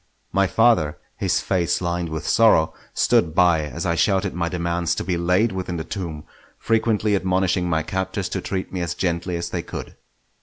My father, his face lined with sorrow, stood by as I shouted my demands to be laid within the tomb; frequently admonishing my captors to treat me as gently as they could.